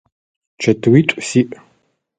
Чэтыуитӏу сиӏ.